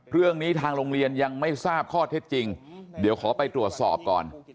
เรื่องนี้ทางโรงเรียนยังไม่ทราบข้อเท็จจริงเดี๋ยวขอไปตรวจสอบก่อน